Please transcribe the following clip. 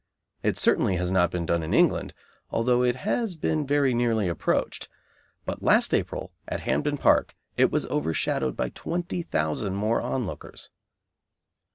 It certainly has not been done in England, although it has been very nearly approached, but last April, at Hampden Park, it was overshadowed by 20,000 more onlookers.